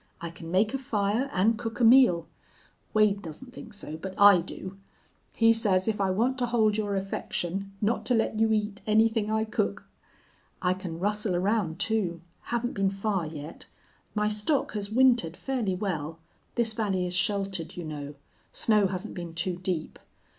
I can make a fire and cook a meal. Wade doesn't think so, but I do. He says if I want to hold your affection, not to let you eat anything I cook. I can rustle around, too. Haven't been far yet. My stock has wintered fairly well. This valley is sheltered, you know. Snow hasn't been too deep.